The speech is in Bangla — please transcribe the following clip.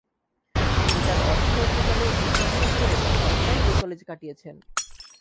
তিনি তার অর্ধশতাব্দীকালের অধ্যাপনা জীবনে প্রায় সবটাই ওই কলেজে কাটিয়েছেন।